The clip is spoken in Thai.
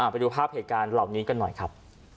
ไปดูภาพเหตุการณ์เหล่านี้กันหน่อยครับ